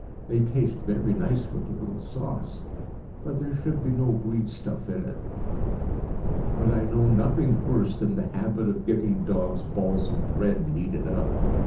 They taste very nice with a little sauce, but there should be no green stuff in it. But I know nothing worse than the habit of giving dogs balls of bread kneaded up.